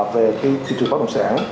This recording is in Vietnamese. về cái thị trường bất động sản